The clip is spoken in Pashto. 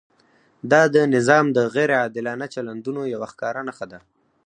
دا د نظام د غیر عادلانه چلندونو یوه ښکاره نښه ده.